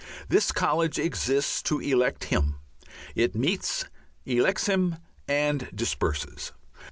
This college exists to elect him; it meets, elects him, and disperses.